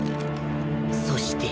そして